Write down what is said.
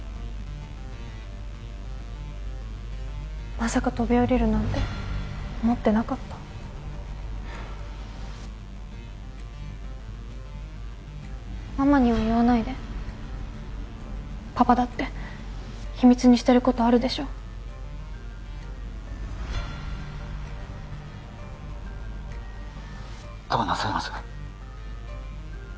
まさか飛び降りるなんて思ってなかったママには言わないでパパだって秘密にしてることあるでしょどうなさいます？